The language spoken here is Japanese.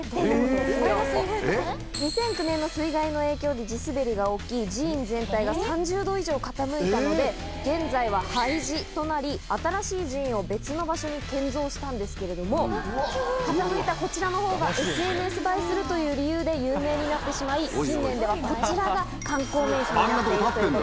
２００９年の水害の影響で地滑りが起き寺院全体が３０度以上傾いたので現在は廃寺となり新しい寺院を別の場所に建造したんですけれども傾いたこちらのほうがＳＮＳ映えするという理由で有名になってしまい近年ではこちらが観光名所になっているということです。